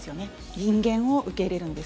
人間を受け入れるんです。